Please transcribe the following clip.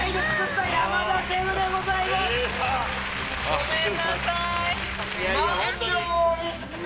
ごめんなさい。